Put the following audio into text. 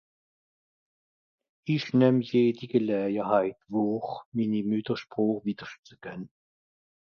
dies nehm jedige läjeheit vòhr minni mutterspràch wiederscht zu gähn